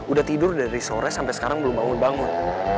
udah tidur dari sore sampai sekarang belum bangun bangun